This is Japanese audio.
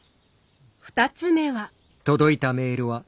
２つ目は。